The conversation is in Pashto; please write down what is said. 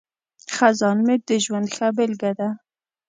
خزان مې د ژوند ښه بیلګه ده.